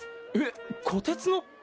えっこてつの！？